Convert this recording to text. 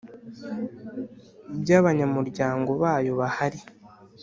By abanyamuryango bayo bahari